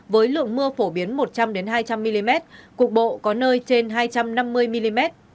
với lượng mưa phổ biến một trăm linh hai trăm linh mm cục bộ có nơi trên hai trăm năm mươi mm